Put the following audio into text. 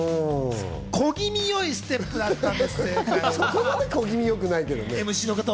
小気味よいステップだったんです、正解は。